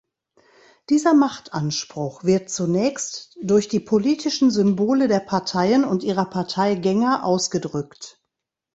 Dieser Machtanspruch wird zunächst durch die politischen Symbole der Parteien und ihrer Parteigänger ausgedrückt.